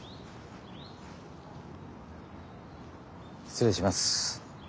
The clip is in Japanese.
失礼します。